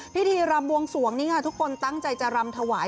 พิธีรำบวงสวงนี้ค่ะทุกคนตั้งใจจะรำถวาย